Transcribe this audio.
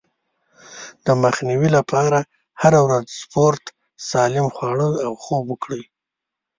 د مخنيوي لپاره هره ورځ سپورت، سالم خواړه او خوب وکړئ.